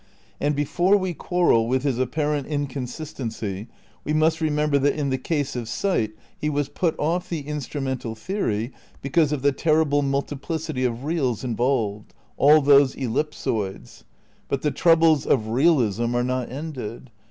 And before we quarrel with his apparent incon sistency we must remember that in the case of sight he was put off the instrumental theory because of the terrible multiplicity of reals involved — all those ellip soids. But the troubles of realism are not ended.